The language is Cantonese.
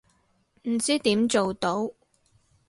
唔知點做到